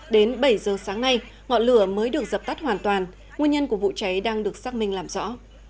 đến bảy giờ sáng nay ngọn lửa mới được dập tắt hoàn toàn nguyên nhân của vụ cháy đang được xác minh làm rõ